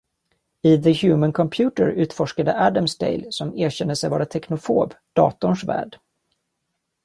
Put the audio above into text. I The Human Computer utforskade Adamsdale, som erkänner sig vara teknofob, datorns värld.